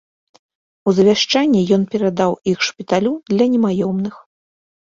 У завяшчанні ён перадаў іх шпіталю для немаёмных.